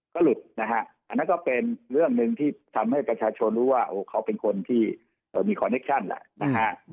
ก็หลุดนะฮะอันนั้นก็เป็นเรื่องหนึ่งที่ทำให้ประชาชนรู้ว่าเขาเป็นคนที่มีคอนเนคชั่นแหละนะฮะ